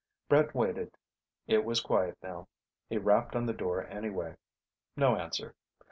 Brett waited. It was quiet now. He rapped on the door anyway. No answer.